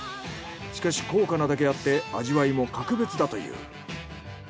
しかし高価なだけあって味わいも格別だという。